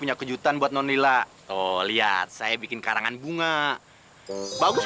udah payah mahal tau mbak